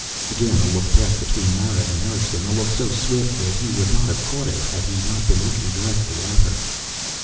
Again a look passed between Mara and Erickson, a look so swift that he would not have caught it had he not been looking directly at her.